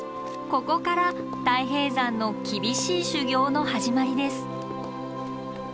ここから太平山の厳しい修行の始まりです。